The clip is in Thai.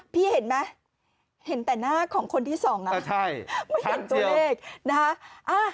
พี่เห็นไหมเห็นแต่หน้าของคนที่สองอ่ะ